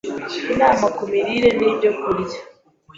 INAMA KU MIRIRE N’IBYOKURYA